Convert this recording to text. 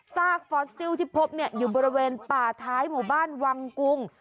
ซากฟอสซิลที่พบอยู่บริเวณป่าท้ายหมู่บ้านวังกุง